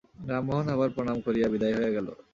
রামমোহন আবার প্রণাম করিয়া বিদায় হইয়া গেল।